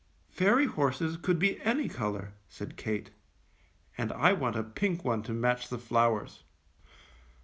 "Fairy horses could be any color," said Kate, "and I want a pink one to match the flowers."